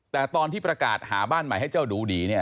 แต่ตอนที่ประกาศหาบ้านใหม่ให้เจ้าดูดีเนี่ย